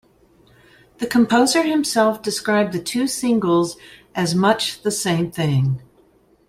The composer himself described the two singles as Much the same thing.